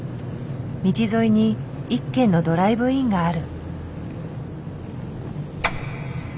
道沿いに１軒のドライブインがある。